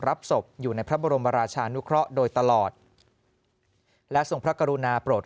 รับศพอยู่ในพระบรมราชานุเคราะห์โดยตลอดและทรงพระกรุณาโปรด